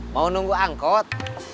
mau nunggu angkot